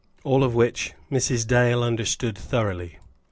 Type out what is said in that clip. All of which Mrs. Dale understood thoroughly.